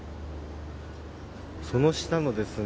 その下のですね